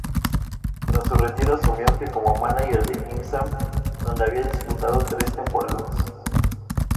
Tras su retiro asumió como mánager de Quimsa, donde había disputado tres temporadas.